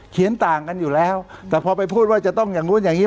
ต่างกันอยู่แล้วแต่พอไปพูดว่าจะต้องอย่างนู้นอย่างนี้